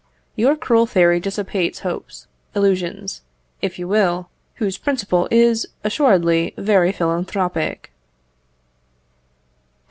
Your cruel theory dissipates hopes, illusions, if you will, whose principle is assuredly very philanthropic.